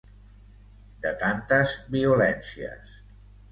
-…de tantes violències…